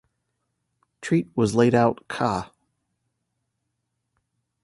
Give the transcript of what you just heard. Treat was laid out ca.